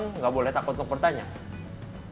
sekarang nggak boleh takut untuk pertanyaan